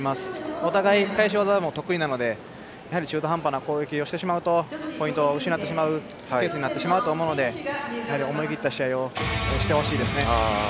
お互い、返し技も得意なので中途半端な攻撃をしてしまうとポイントを失ってしまうケースになると思うので思い切った試合をしてほしいです。